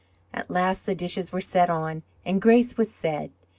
At last the dishes were set on and grace was said.